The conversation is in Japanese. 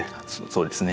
そうですね。